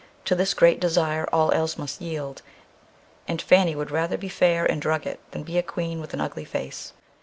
To this great desire all else must yield, and Fanny would rather be fair in drugget than be a Queen with an ugly face.